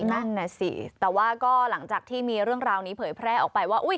นั่นน่ะสิแต่ว่าก็หลังจากที่มีเรื่องราวนี้เผยแพร่ออกไปว่าอุ้ย